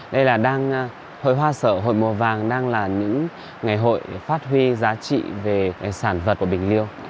đây là hội hoa sở hội mùa vàng đang là những ngày hội phát huy giá trị về sản vật của bình liêu